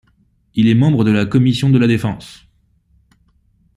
Il est membre de la commission de la défense.